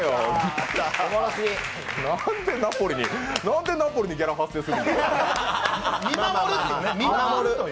何でナポリにギャラ発生するの？